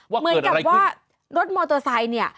เหมือนกับว่ารถมอเตอร์ไซค์เนี่ย